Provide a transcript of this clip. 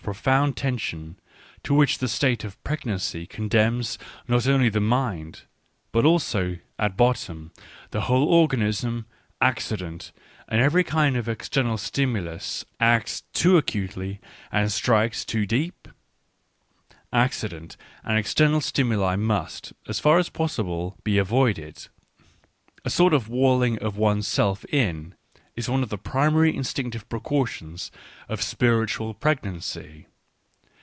profound tension to which the state of pregnancy condemns not only the mind, but also, at bottom, the whole organism, accident and every kind of external stimulus acts too acutely and strikes too deep ? Ac cident and external stimuli must, as far as possible, be avoided : a sort of walling of one's self in is one of the primary instinctive precautions of spiritual pregnancy.